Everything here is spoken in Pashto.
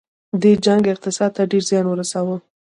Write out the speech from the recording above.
دې جنګ اقتصاد ته ډیر زیان ورساوه.